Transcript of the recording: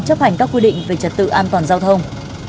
chấp hành các quy định về trật tự an toàn giao thông